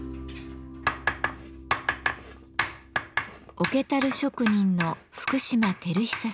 桶樽職人の福島輝久さん。